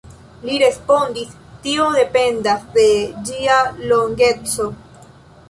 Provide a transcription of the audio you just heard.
Li respondis: Tio dependas de ĝia longeco.